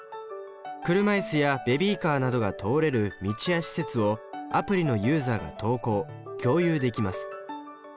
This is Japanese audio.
車いすやベビーカーなどが通れる道や施設をアプリのユーザが投稿共有できます。